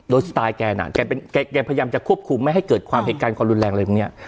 โดยสไตล์แกน่ะแกพยายามจะควบคุมไม่ให้เกิดความเหตุการณ์ความรุนแรงอะไรพวกนี้